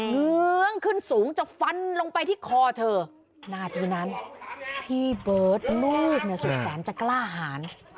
เงิงขึ้นสูงจะฟันลงไปที่คอเธอหน้าทีนั้นพี่เบิร์ดรูดในสุดแสนจักร่าหาร